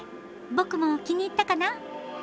ボクも気に入ったかな？